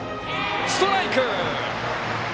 ストライク！